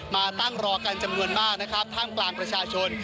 มาตั้งรอกันจำนวนมากนะครับท่ามกลางประชาชน